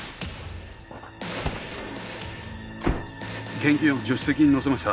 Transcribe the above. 現金を助手席に乗せました。